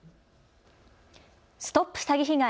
ＳＴＯＰ詐欺被害！